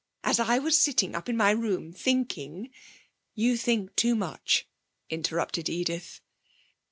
As I was sitting up in my room thinking ' 'You think too much,' interrupted Edith.